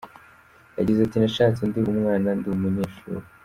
Yagize ati “Nashatse ndi umwana ndi umunyeshuri.